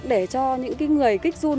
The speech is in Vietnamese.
để cho những người kích run